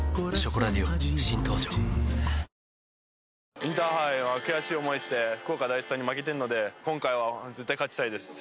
インターハイは悔しい思いをして福岡第一さんに負けているので今回は絶対に勝ちたいです。